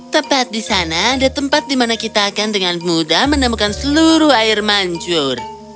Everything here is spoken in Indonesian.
tepat di sana ada tempat di mana kita akan dengan mudah menemukan seluruh air mancur